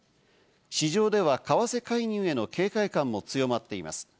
市場では為替介入への警戒感も強まっています。